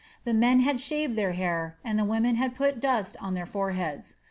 The men had shaved their hair, and the women had put dust on their foreheads.